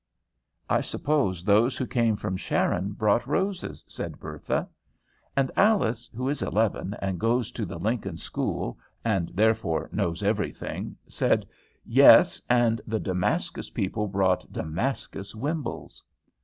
"I suppose those who came from Sharon brought roses," said Bertha. And Alice, who is eleven, and goes to the Lincoln School, and therefore knows every thing, said, "Yes, and the Damascus people brought Damascus wimbles."